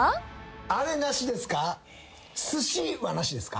あれなしですか？